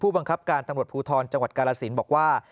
บังคับการตำรวจภูทรจังหวัดกาลสินบอกว่า